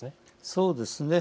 そうですね。